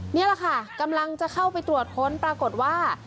นี่แหละค่ะกำลังจะเข้าไปตรวจค้นปรากฏว่า